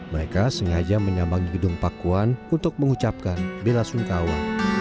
mereka sengaja menyambang gedung pakuan untuk mengucapkan bela sungkawa